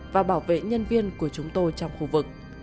và bảo vệ nhân viên của chúng tôi trong khu vực